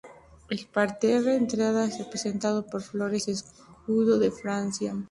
El parterre de entrada representaba con flores el escudo de Francia.